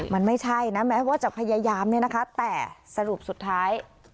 มันไม่ใช่นะแม้ว่าจะพยายามเนี่ยนะคะแต่สรุปสุดท้าย